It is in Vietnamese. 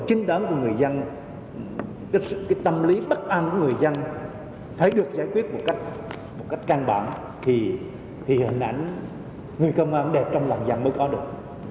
chính đoán của người dân tâm lý bất an của người dân thấy được giải quyết một cách căn bản thì hình ảnh người công an đẹp trong làng dân mới có được